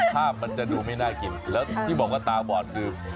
ภาพมันจะดูไม่น่ากินแล้วที่บอกว่าตาบอดคือ